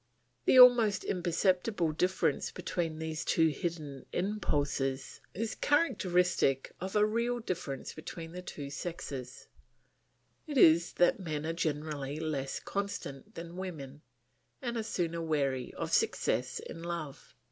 The almost imperceptible difference between these two hidden impulses is characteristic of a real difference between the two sexes; it is that men are generally less constant than women, and are sooner weary of success in love.